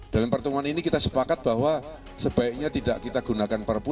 dalam pertemuan ini kita sepakat bahwa sebaiknya tidak kita gunakan perpu